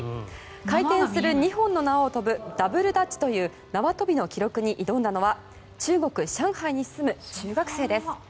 回転する２本の縄を跳ぶダブルダッチという縄跳びの記録に挑んだのは中国・上海に住む中学生です。